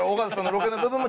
ロケ部分も！？